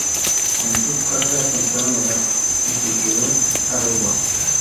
Comenzó su carrera a temprana edad en su ciudad, Areguá.